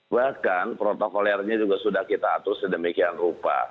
bahkan protokolernya juga sudah kita atur sedemikian rupa